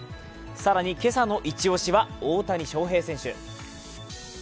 更に今朝のイチ押しは、大谷翔平選手。